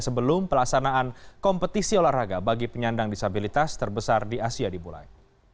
sebelum pelaksanaan kompetisi olahraga bagi penyandang disabilitas terbesar di asia dimulai